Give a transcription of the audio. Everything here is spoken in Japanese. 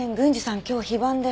今日非番で。